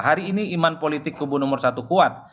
hari ini iman politik kubu nomor satu kuat